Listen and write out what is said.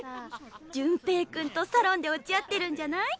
潤平君とサロンで落ち合ってるんじゃない？